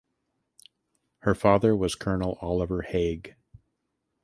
Her father was Colonel Oliver Haig.